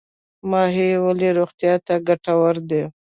ماهي ولې روغتیا ته ګټور دی؟